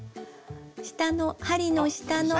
下の針の下の。